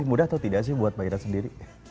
mudah atau tidak sih buat mbak ira sendiri